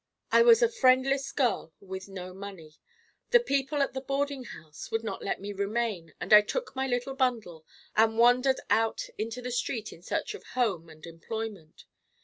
"I was a friendless girl with no money. The people at the boarding house would not let me remain and I took my little bundle and wandered out into the street in search of home and employment.